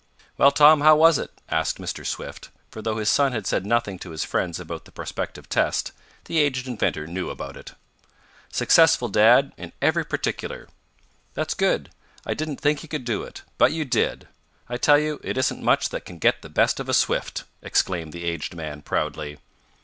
"Well, Tom, how was it?" asked Mr. Swift, for though his son had said nothing to his friends about the prospective test, the aged inventor knew about it. "Successful, Dad, in every particular." "That's good. I didn't think you could do it. But you did. I tell you it isn't much that can get the best of a Swift!" exclaimed the aged man proudly.